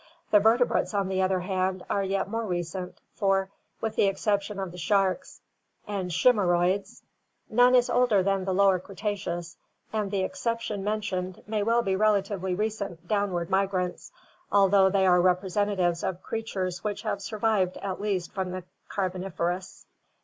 The vertebrates, on the other hand, are yet more recent, for, with the exception of the sharks and chimaeroids, none is older than the Lower Cretaceous and the exception^ mentioned may well be relatively recent downward migrants, although they are representatives of creatures which have survived at least from the Carboniferous.